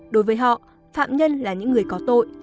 đối với họ phạm nhân là những người có tội